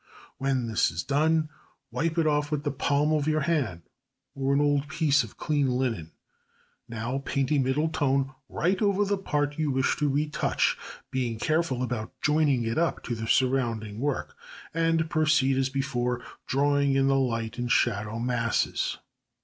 When this is done, wipe it off with the palm of your hand or an old piece of clean linen. Now paint a middle tone right over the part you wish to retouch, being careful about joining it up to the surrounding work, and proceed as before, drawing in the light and shadow masses.